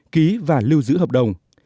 ba ký và lưu giữ hợp đồng